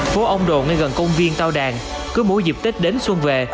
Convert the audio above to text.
phố ông đồ ngay gần công viên tao đàn cứ mỗi dịp tết đến xuân về